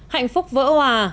hạnh phúc vỡ hòa